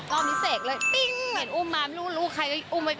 รอบนี้เสกเลยติ๊งเห็นอุ้มมาไม่รู้ใครก็อุ้มไว้ก่อน